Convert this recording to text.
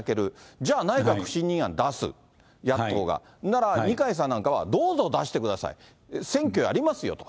じゃあ、内閣不信任案出す、野党が、なら二階さんなんかは、どうぞ出してください、選挙やりますよと。